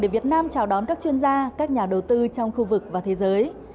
để việt nam chào đón các chuyên gia các nhà đầu tư trong khu vực và thế giới